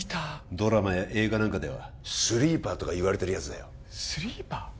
ドラマや映画なんかではスリーパーとか言われてるやつだよスリーパー？